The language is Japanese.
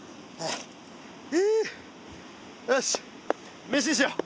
よし飯にしよう。